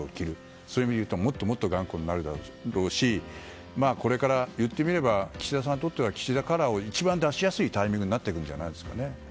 そういう意味で言うともっともっと頑固になるだろうしこれから、言ってみれば岸田さんにとっては岸田カラーを一番出しやすいタイミングになってくるんじゃないですかね。